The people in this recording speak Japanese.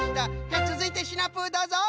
じゃあつづいてシナプーどうぞ！